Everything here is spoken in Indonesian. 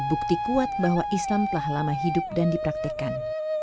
bukti kuat bahwa islam telah lama hidup dan dipraktekkan